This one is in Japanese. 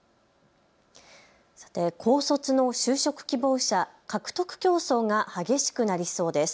高卒の就職希望者、獲得競争が激しくなりそうです。